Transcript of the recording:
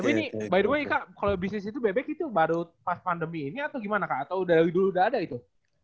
tapi ini by the way kak kalau bisnis itu bebek itu baru pas pandemi ini atau gimana kak atau dari dulu udah ada itu